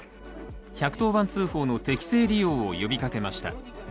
１１０番通報の適正利用を呼びかけました。